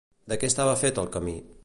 De què estava fet el camí?